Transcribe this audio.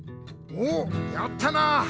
おやったな！